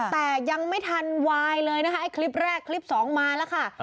แต่ยังไม่ทันวายเลยคลิปแรกคลิป๒มาแล้วค่ะ